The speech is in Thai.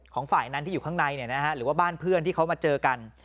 ฝ่ายนั้นที่อยู่ข้างในหรือว่าบ้านเพื่อนที่เขามาเจอกัน